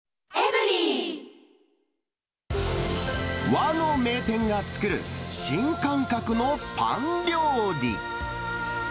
和の名店が作る新感覚のパン料理。